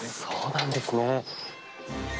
そうなんですね。